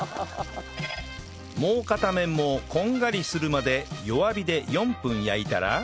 もう片面もこんがりするまで弱火で４分焼いたら